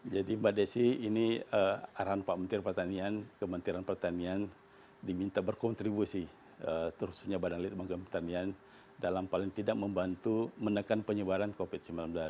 jadi mbak desy ini arahan pak menteri pertanian kementerian pertanian diminta berkontribusi terutama badan lidang pertanian dalam paling tidak membantu menekan penyebaran covid sembilan belas